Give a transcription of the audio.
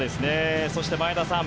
そして前田さん